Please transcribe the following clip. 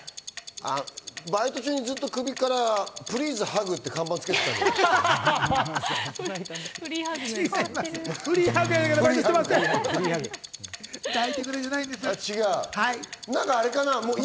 バイト中にずっと首からプリーズハグっていう看板をつけてたんじゃない？